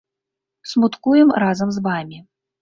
Смуткуем разам з вамі.